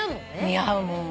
似合うもん。